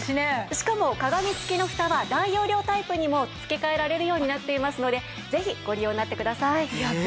しかも鏡つきのフタは大容量タイプにも付け替えられるようになっていますのでぜひご利用になってください。